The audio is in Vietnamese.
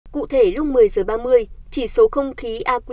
cụ thể lúc một mươi h ba mươi chỉ số không khí aq